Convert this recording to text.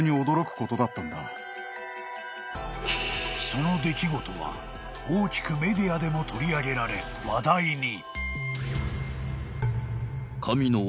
［その出来事は大きくメディアでも取り上げられ話題に］